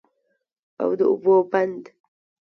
او د اوبو بند